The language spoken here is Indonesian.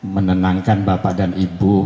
menenangkan bapak dan ibu